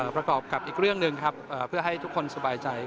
ประกอบกับอีกเรื่องหนึ่งครับเพื่อให้ทุกคนสบายใจ